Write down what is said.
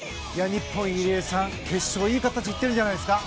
日本、入江さん決勝、いい形でいってるんじゃないですか。